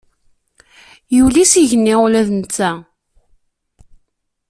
Yuli s igenni ula d netta.